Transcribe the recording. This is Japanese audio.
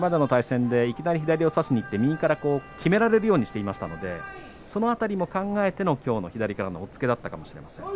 いきなり差しにいってきめられるようにしていましたのでその辺りも考えてのきょうの左からの押っつけだったかもしれません。